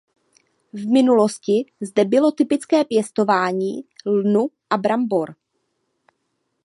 V minulosti zde bylo typické pěstování lnu a brambor.